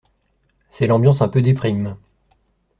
C'est l'ambiance un peu déprime.